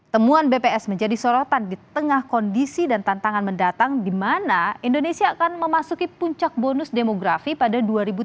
temuan bps menjadi sorotan di tengah kondisi dan tantangan mendatang di mana indonesia akan memasuki puncak bonus demografi pada dua ribu tujuh belas